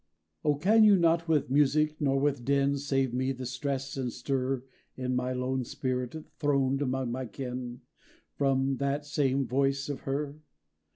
Oh, can you not with music, nor with din, Save me the stress and stir In my lone spirit, throned among my kin, From that same voice of her?